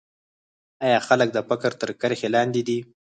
آیا خلک د فقر تر کرښې لاندې دي؟